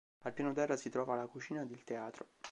Al piano terra si trova la cucina ed il teatro.